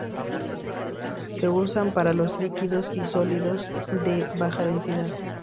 Se usan para los líquidos y sólidos de baja densidad.